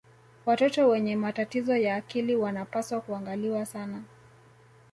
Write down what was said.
watoto wenye matatizo ya akili wanapaswa kuangaliwa sana